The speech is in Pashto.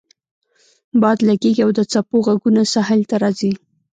باد لګیږي او د څپو غږونه ساحل ته راځي